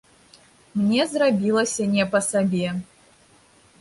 Мне зрабілася не па сабе.